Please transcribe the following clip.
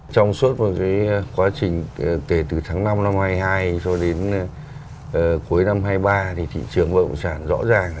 trong suốt một quá trình kể từ tháng năm năm hai nghìn hai mươi hai cho đến cuối năm hai nghìn hai mươi ba thì thị trường bất động sản rõ ràng